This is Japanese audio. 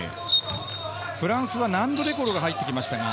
フランスはナンド・デ・コロが入ってきました。